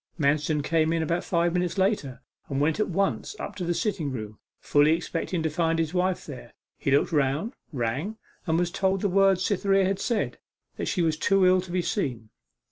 Manston came in about five minutes later, and went at once up to the sitting room, fully expecting to find his wife there. He looked round, rang, and was told the words Cytherea had said, that she was too ill to be seen.